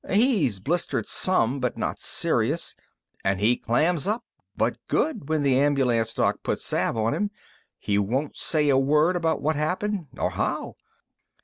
He's blistered some but not serious, and he clams up but good when the ambulance doc puts salve on him. He won't say a word about what happened or how.